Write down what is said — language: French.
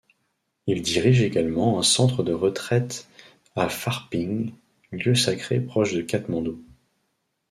Il dirige également un centre de retraite à Pharping, lieu sacré proche de Katmandou.